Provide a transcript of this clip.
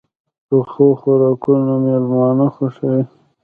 پخو خوراکونو مېلمانه خوښوي